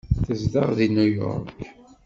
Tezdeɣ deg New York.